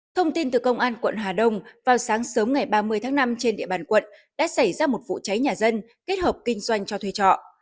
thông tin từ công an quận hà đông vào sáng sớm ngày ba mươi tháng năm trên địa bàn quận đã xảy ra một vụ cháy nhà dân kết hợp kinh doanh cho thuê trọ